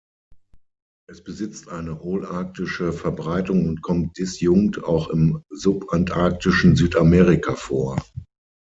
Es besitzt eine holarktische Verbreitung und kommt disjunkt auch im subantarktischen Südamerika vor.